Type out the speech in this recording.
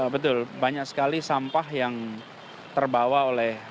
betul banyak sekali sampah yang terbawa oleh